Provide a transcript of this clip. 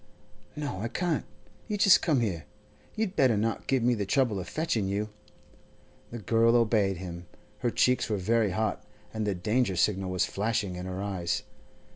'No, I can't. You just come here. You'd better not give me the trouble of fetching you!' The girl obeyed him. Her cheeks were very hot, and the danger signal was flashing in her eyes.